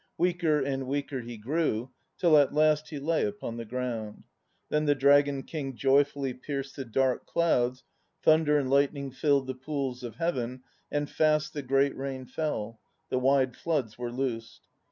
Weaker and weaker he grew, till at last he lay upon the ground. Then the Dragon King joyfully Pierced the dark clouds. Thunder and lightning filled The pools of Heaven, and fast The great rain fell ; the wide floods were loosed.